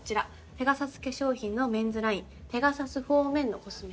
ペガサス化粧品のメンズラインペガサス・フォー・メンのコスメで。